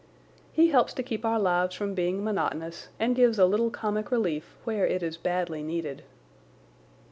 He helps to keep our lives from being monotonous and gives a little comic relief where it is badly needed.